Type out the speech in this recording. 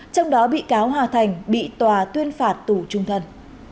trong đó bị cáo hòa thành bị tòa tuyên phạt tù trung thân